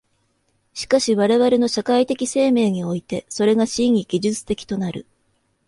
しかし我々の社会的生命において、それが真に技術的となる。